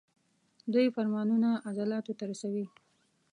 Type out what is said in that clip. دوی فرمانونه عضلاتو ته رسوي.